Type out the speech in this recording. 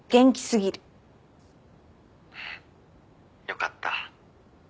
よかった。